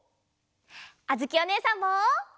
あづきおねえさんも！